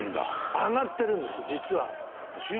上がってるんです実は。